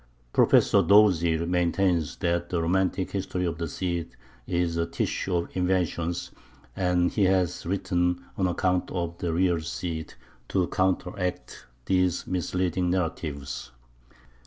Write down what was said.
Professor Dozy maintains that the romantic history of the Cid is a tissue of inventions, and he has written an account of "the real Cid" to counteract these misleading narratives.